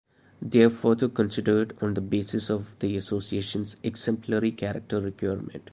They are further considered on the basis of the Association's exemplary character requirement.